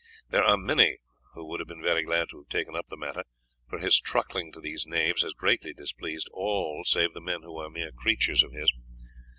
There are many who would have been very glad to have taken up the matter, for his truckling to these knaves has greatly displeased all save the men who are mere creatures of his.